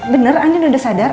beneran adik udah sadar